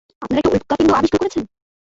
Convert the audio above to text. আপনারা একটা উল্কাপিন্ড আবিষ্কার করেছেন?